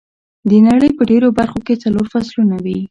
د نړۍ په ډېرو برخو کې څلور فصلونه وي.